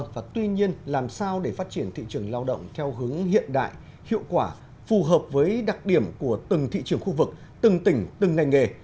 và tuy nhiên làm sao để phát triển thị trường lao động theo hướng hiện đại hiệu quả phù hợp với đặc điểm của từng thị trường khu vực từng tỉnh từng ngành nghề